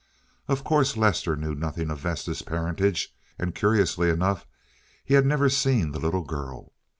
Of course Lester knew nothing of Vesta's parentage, and curiously enough he had never seen the little girl.